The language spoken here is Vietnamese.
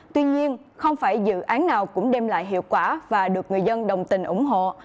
tuy nhiên không phải dự án nào cũng đem lại hiệu quả và được người dân đồng tình ủng hộ